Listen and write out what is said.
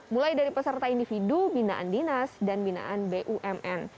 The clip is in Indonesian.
mulai dari peserta individu binaan dinas dan binaan bumn